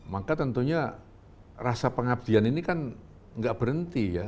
maka tentunya rasa pengabdian ini kan nggak berhenti ya